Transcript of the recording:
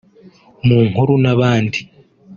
mu nkuru n’ahandi